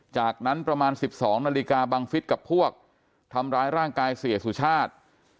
จากนั้นประมาณ๑๒นาฬิกาบังฟิศกับพวกทำร้ายร่างกายเสียสุชาติ